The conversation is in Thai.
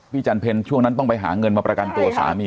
จันเพลช่วงนั้นต้องไปหาเงินมาประกันตัวสามี